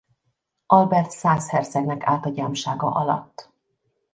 Albert szász hercegnek állt a gyámsága alatt.